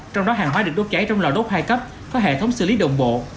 trong đó hàng hóa được đốt cháy trong lò đốt hai cấp có hệ thống xử lý đồng bộ